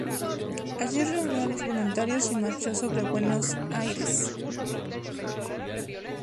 Allí reunió a los voluntarios y marchó sobre Buenos Aires.